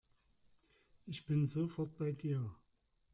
Ich bin sofort bei dir.